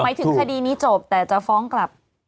หมายถึงคดีนี้จบแต่จะฟ้องกลับ